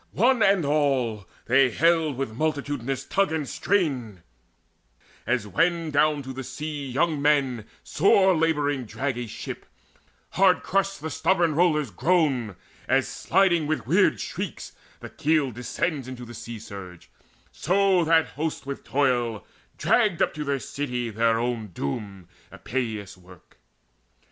One and all they haled With multitudinous tug and strain, as when Down to the sea young men sore labouring drag A ship; hard crushed the stubborn rollers groan, As, sliding with weird shrieks, the keel descends Into the sea surge; so that host with toil Dragged up unto their city their own doom, Epeius' work.